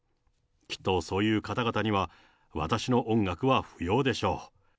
きっとそういう方々には、私の音楽は不要でしょう。